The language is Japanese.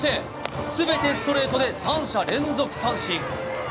全てストレートで３者連続三振。